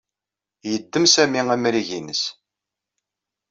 Yeddem Sami amrig-nnes.